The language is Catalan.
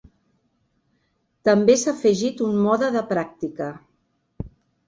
També s'ha afegit un mode de pràctica.